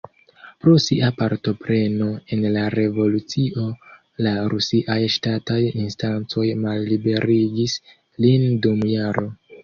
Pro sia partopreno en la revolucio la rusiaj ŝtataj instancoj malliberigis lin dum jaro.